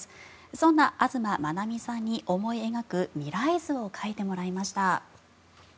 そんな東真七水さんに思い描く未来図を描いてもらいました。